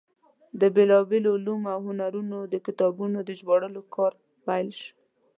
د بېلابېلو علومو او هنرونو د کتابونو د ژباړلو کار پیل شو.